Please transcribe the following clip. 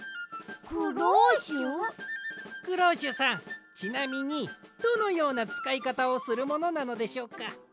クローシュさんちなみにどのようなつかいかたをするものなのでしょうか？